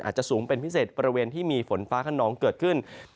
อาจจะสูงเป็นพิเศษบริเวณที่มีฝนฟ้าขนองเกิดขึ้น